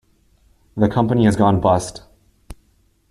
The company has gone bust.